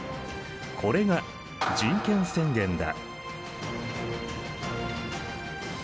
これが人権宣言だ。